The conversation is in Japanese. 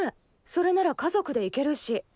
それなら家族で行けるし。